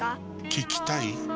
聞きたい？